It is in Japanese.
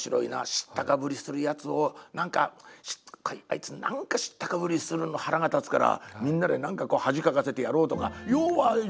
知ったかぶりするやつを何かあいつ何か知ったかぶりするの腹が立つからみんなで何か恥かかせてやろうとか要はハハハハ！